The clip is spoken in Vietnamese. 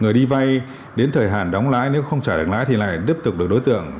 người đi vay đến thời hạn đóng lãi nếu không trả được lãi thì lại tiếp tục được đối tượng